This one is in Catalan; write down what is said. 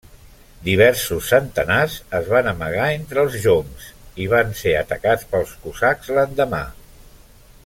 Diversos centenars es van amagar entre els joncs, i van ser atacats pels cosacs l'endemà.